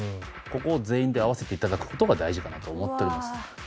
ここを全員で合わせて頂く事が大事かなと思っております。